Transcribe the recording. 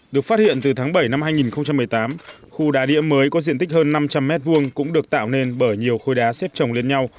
được phát hiện từ tháng bảy năm hai nghìn một mươi tám khu đá đĩa mới có diện tích hơn năm trăm linh m hai cũng được tạo nên bởi nhiều khối đá xếp trồng lên nhau